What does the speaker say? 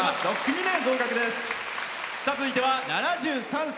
続いては７３歳。